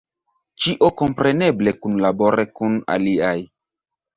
Ĉio kompreneble kunlabore kun aliaj.